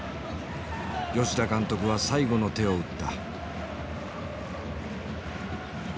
吉田監督は最後の手を打った。